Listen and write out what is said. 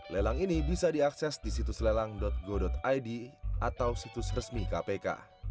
lelang ini bisa diakses di situs lelang go id atau situs resmi kpk